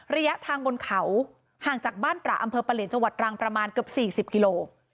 ระยะทางบนเขาห่างจากบ้านตระอำเภอปะเหลียนจังหวัดรังประมาณเกือบ๔๐กิโล